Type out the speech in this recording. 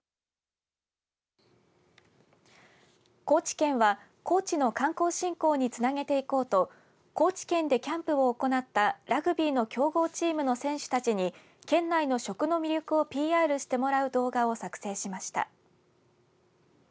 高知県は、高知の観光振興につなげていこうと高知県でキャンプを行ったラグビーの強豪チームの選手たちに県内の食の魅力をＰＲしてもらう動画を作成しました。